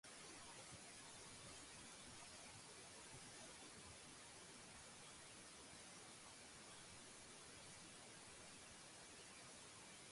შესაძლებელია ასევე ინჰალაციური და ინტრავენური პრეპარატების ერთდროული გამოყენებაც.